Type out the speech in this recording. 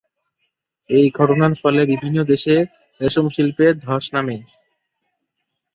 এই ঘটনার ফলে বিভিন্ন দেশে রেশম শিল্পে ধ্বস নামে।